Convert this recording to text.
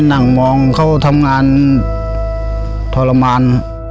นั่งมองเขาทำงานทรมาน